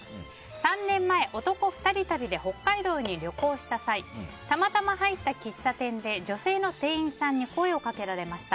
３年前、男２人旅で北海道に旅行した際たまたま入った喫茶店で女性の店員さんに声をかけられました。